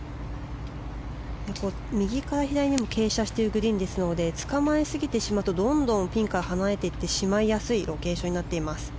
右から左にも傾斜しているグリーンですのでつかまえすぎてしまうとどんどんピンから離れていってしまいやすいロケーションになっています。